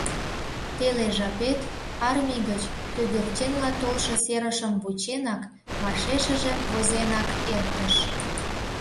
Теле жапет, армий гыч кӧгӧрченла толшо серышым вученак, вашешыже возенак эртыш.